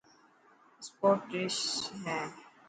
اسپورٽس ڊريسن هي.